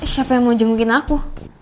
siapa yang mau jengukin aku